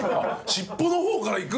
尻尾の方からいく！？